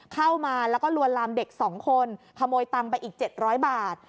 เข้ามาแล้วก็ลวนลามเด็ก๒คนขโมยตังค์ไปอีก๗๐๐บาท